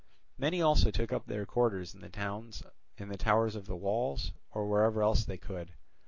Many also took up their quarters in the towers of the walls or wherever else they could.